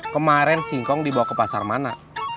kemaren isi kong dibawa ke pasar mana